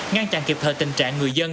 ngăn chặn kịp thời tình trạng người dân